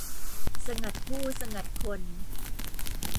สงัดผู้สงัดคน